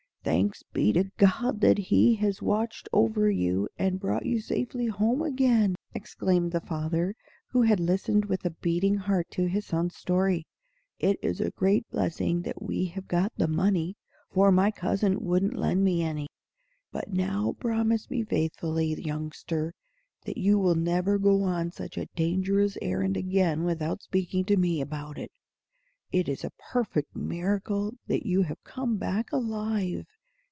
"Thanks be to God that He has watched over you, and brought you safely home again!" exclaimed the father, who had listened with a beating heart to his son's story. "It is a great blessing that we have got the money, for my cousin couldn't lend me any. But now promise me faithfully, youngster, that you will never go on such a dangerous errand again without speaking to me about it. It is a perfect miracle that you have come back alive!